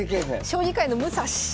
将棋界の武蔵。